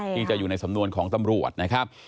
ที่จะอยู่ในสำนวนของตำรวจนะครับ